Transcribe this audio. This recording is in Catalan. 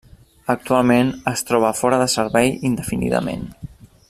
Actualment es troba fora de servei indefinidament.